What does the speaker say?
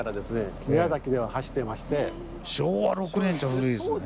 昭和６年っちゃ古いですね。